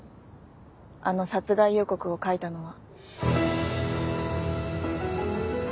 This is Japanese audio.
あの殺害予告を書いたのは。